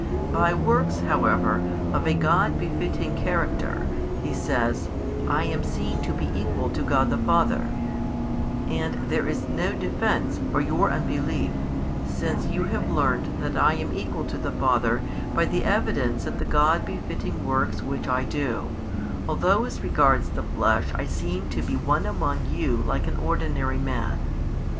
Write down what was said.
By works however of a God befitting character, He says, I am seen to be equal to God the Father: and there is no defence for your unbelief since you have learnt that I am equal to the Father by the evidence of the God befitting works which I do, although as regards the flesh I seemed to be one among you like an ordinary man.